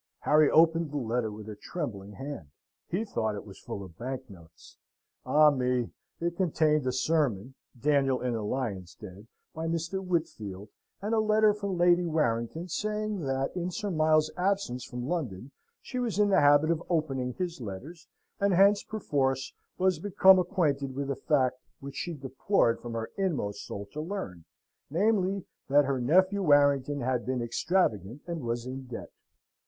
Harry opened the letter with a trembling hand. He thought it was full of bank notes. Ah me! it contained a sermon (Daniel in the Lions' Den) by Mr. Whitfield, and a letter from Lady Warrington saying that, in Sir Miles's absence from London, she was in the habit of opening his letters, and hence, perforce, was become acquainted with a fact which she deplored from her inmost soul to learn, namely, that her nephew Warrington had been extravagant and was in debt.